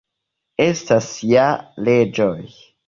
Estas ja leĝoj.